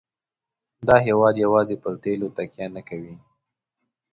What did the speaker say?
دا هېواد یوازې پر تیلو تکیه نه کوي.